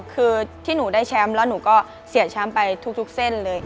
คือที่หนูได้แชมป์แล้วหนูก็เสียแชมป์ไปทุกเส้นเลย